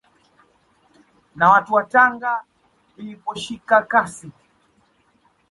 Na watu wa Tanga iliposhika kasi